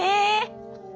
え！